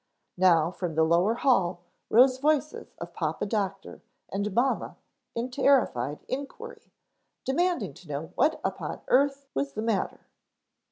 Now from the lower hall rose voices of Papa Doctor and mamma in terrified inquiry, demanding to know what upon earth was the matter.